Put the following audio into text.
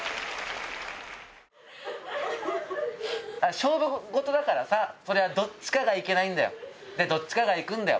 勝負事だからさ、それはどっちかが行けないんだよ、どっちが行くんだよ。